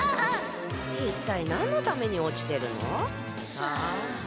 一体何のために落ちてるの？さあ？